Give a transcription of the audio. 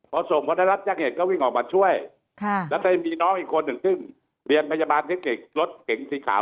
พอส่งพอได้รับแจ้งเหตุก็วิ่งออกมาช่วยแล้วก็มีน้องอีกคนหนึ่งขึ้นเรียนพยาบาลเทคนิครถเก๋งสีขาว